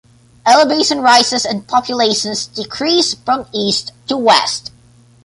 Elevation rises and populations decrease from east to west.